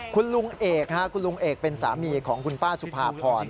คุณลุงเอกเป็นสามีของคุณป้าสุภาพร